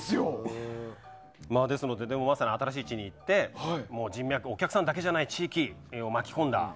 ですので、まさに新しい地に行って人脈、お客さんだけじゃない地域を巻き込んで。